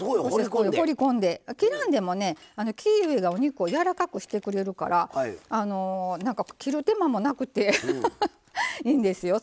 切らんでもキウイがお肉をやわらかくしてくれるから切る手間もなくていいんですよ。